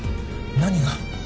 何が？